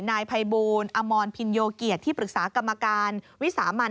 นายภัยบูลอมรพินโยเกียรติที่ปรึกษากรรมการวิสามัน